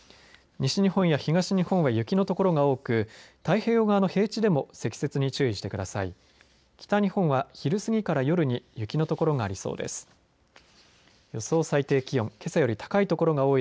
西日本や東日本は雪の所が多く太平洋側の平地でも積雪に注意してください。